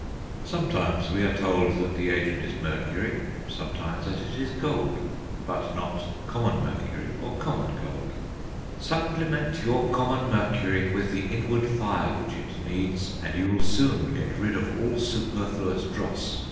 Sometimes we are told that the agent is mercury, sometimes that it is gold, but not common mercury or common gold. "Supplement your common mercury with the inward fire which it needs, and you will soon get rid of all superfluous dross."